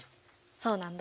そうなんだ。